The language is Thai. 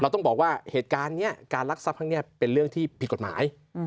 ต้องบอกว่าเหตุการณ์นี้การรักทรัพย์ครั้งนี้เป็นเรื่องที่ผิดกฎหมาย